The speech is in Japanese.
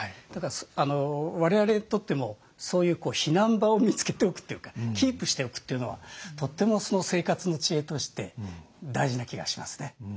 だから我々にとってもそういう避難場を見つけておくっていうかキープしておくっていうのはとっても生活の知恵として大事な気がしますね。